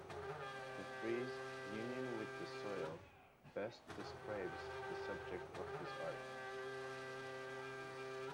The phrase 'union with the soil' best describes the subject of his art.